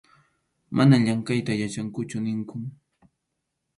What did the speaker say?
Manam llamkʼayta yachankuchu ninkun.